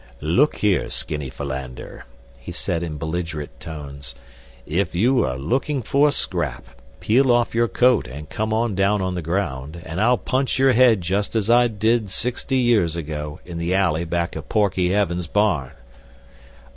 "Look here, Skinny Philander," he said, in belligerent tones, "if you are lookin' for a scrap, peel off your coat and come on down on the ground, and I'll punch your head just as I did sixty years ago in the alley back of Porky Evans' barn."